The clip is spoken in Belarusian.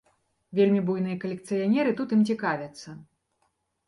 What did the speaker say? Вельмі буйныя калекцыянеры тут ім цікавяцца.